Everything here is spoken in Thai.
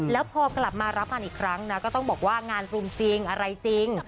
แล้วพอกลับมารับงานอีกครั้งนะก็ต้องบอกว่างานฟรุมจริงอะไรจริง